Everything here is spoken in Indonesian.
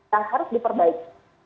yang harus diperbaiki